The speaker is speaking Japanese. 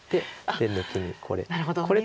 で抜きにこれ。